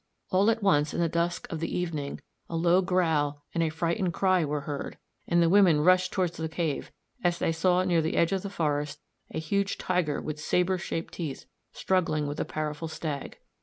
All at once in the dusk of the evening a low growl and a frightened cry were heard, and the women rushed towards the cave as they saw near the edge of the forest a huge tiger with sabre shaped teeth struggling with a powerful stag.